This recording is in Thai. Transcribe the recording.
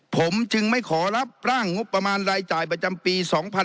ผมจึงไม่ขอรับร่างงบประมาณรายจ่ายประจำปี๒๕๖๒